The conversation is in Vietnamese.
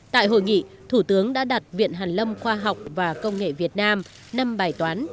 tại hội nghị thủ tướng đã đặt viện hàn lâm khoa học và công nghệ việt nam năm bài toán